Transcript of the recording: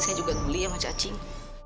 saya juga beli sama cacing